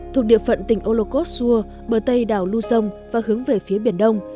thuộc địa phận tỉnh olokosua bờ tây đảo luzon và hướng về phía biển đông